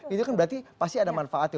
itu kan berarti pasti ada manfaat ya